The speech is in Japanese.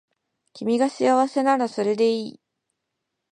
君が幸せならそれでいい